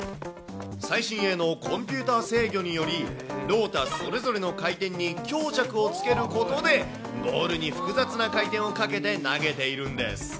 最新鋭のコンピューター制御により、ロータそれぞれの回転に強弱をつけることで、ボールに複雑な回転をかけて投げているんです。